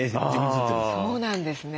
そうなんですね。